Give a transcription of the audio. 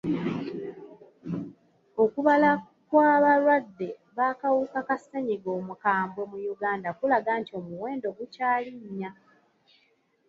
Okubala kw'abalwadde b'akawuka ka sennyiga omukambwe mu Uganda kulaga nti omuwendo gukyalinnya.